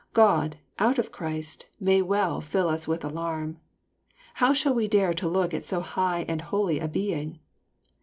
God, out of Christ, may well fill us with alarm. How shall we dare to look at so high and holy a Being?